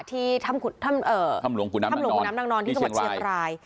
ที่ถ้ำหลวงคุณ้ำดังนอนที่เฉียงวาย